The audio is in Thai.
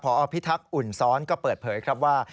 พอพิทักษ์อุ่นซ้อนก็เปิดเผยครับว่า